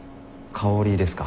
香りですか。